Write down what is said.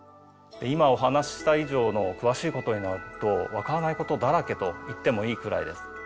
今お話しした以上の詳しいことになると分からないことだらけと言ってもいいくらいです。